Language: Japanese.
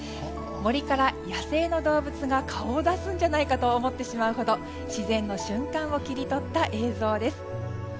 森から、野生の動物が顔を出すんじゃないかと思ってしまうほど自然の瞬間を切り取った映像です。